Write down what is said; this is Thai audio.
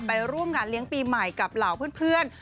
ร่วมงานเลี้ยงปีใหม่กับเหล่าเพื่อน